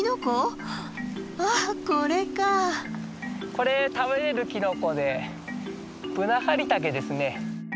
これ食べれるキノコでブナハリタケですね。